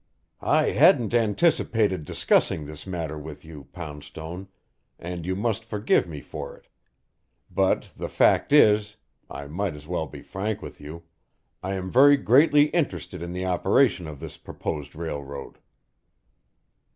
"I hadn't anticipated discussing this matter with you, Poundstone, and you must forgive me for it; but the fact is I might as well be frank with you I am very greatly interested in the operation of this proposed railroad."